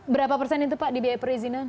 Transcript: berapa persen itu pak di biaya perizinan